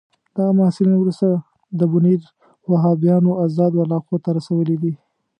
دغه محصلین وروسته د بونیر وهابیانو آزادو علاقو ته رسولي دي.